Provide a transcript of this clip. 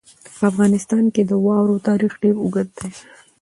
په افغانستان کې د واورو تاریخ ډېر اوږد دی.